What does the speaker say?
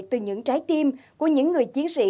từ những trái tim của những người chiến sĩ